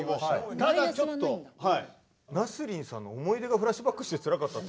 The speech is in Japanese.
ただちょっとナスリンさんの「思い出がフラッシュバックしてつらかった」。